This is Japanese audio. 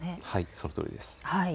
そのとおりです。